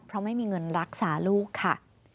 เพราะไม่มีเงินรักษาลูกค่ะ